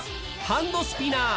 ハンドスピナー。